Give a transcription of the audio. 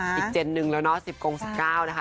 เจนหนึ่งแล้วเนาะ๑๐กง๑๙นะคะ